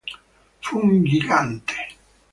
Fu un Gigante.